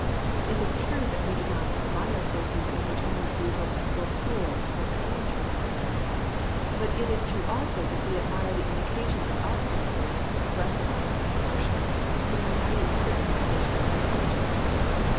It is true that we do not admire faces in which only brutal, or cruel, or cunning traits ABOUT FACES IN JAPANESE ART 119 exist ; but it is true also that we admire the indications of obstinacy, aggressiveness, and harshness when united with certain indica tions of intelligence.